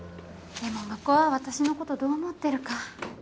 でも向こうは私のことどう思ってるか。